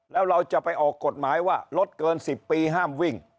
แล้วเราจะไปออกกฎหมายว่ารถเกิน๑๐ปีห้ามวิ่ง